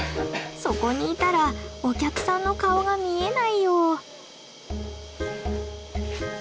そこにいたらお客さんの顔が見えないよ。